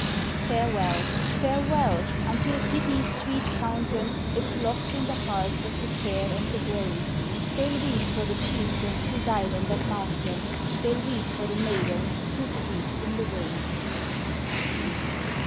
Farewell! farewell! until pity's sweet fountain Is lost in the hearts of the fair and the brave, They'll weep for the Chieftain who died on that mountain. They'll weep for the Maiden who sleeps in the wave.